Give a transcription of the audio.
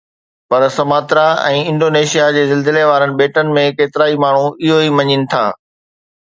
پر Sumatra ۽ Indonesia جي زلزلي وارن ٻيٽن ۾ ڪيترائي ماڻھو اھو ئي مڃين ٿا